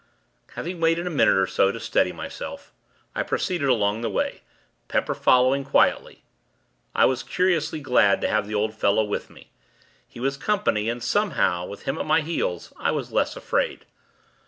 Having waited a minute, or so, to steady myself, I proceeded along the way, Pepper following, quietly. I was curiously glad to have the old fellow with me. He was company, and, somehow, with him at my heels, I was less afraid.